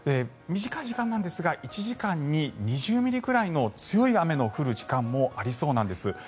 短い時間なんですが１時間に２０ミリくらいの強い雨の降る時間もありそうなんです。